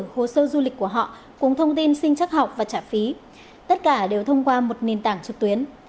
hồ sơ du lịch của họ cùng thông tin sinh chắc học và trả phí tất cả đều thông qua một nền tảng trực tuyến